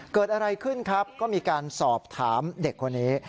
เกิดอะไรขึ้นครับก็มีการสอบถามเด็กคนนี้